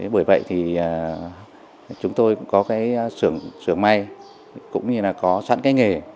bởi vậy chúng tôi có sưởng máy cũng như có sẵn nghề